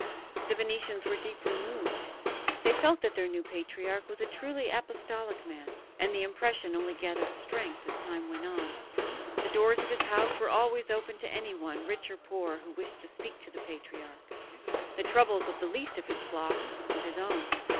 The Venetians were deeply moved; they felt that their new patriarch was a truly apostolic man, and the impression only gathered strength as time went on. The doors of his house were always open to anyone, rich or poor, who wished to speak to the patriarch; the troubles of the least of his flock were his own.